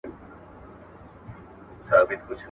که انلاین ټولګي وي، نو وسایل په کور کي وي.